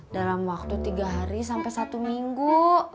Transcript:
dalam waktu tiga hari sampai satu minggu